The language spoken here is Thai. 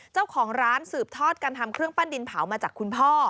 เจ้าของร้านสืบทอดการทำเครื่องปั้นดินเผามาจากคุณพ่อ